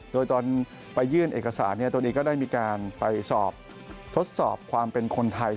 โดยตอนไปยื่นเอกสารตัวเองก็ได้มีการไปสอบทดสอบความเป็นคนไทย